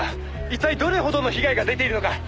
一体どれほどの被害が出ているのか」